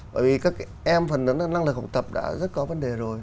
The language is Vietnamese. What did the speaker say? bởi vì các em phần lớn năng lực học tập đã rất có vấn đề rồi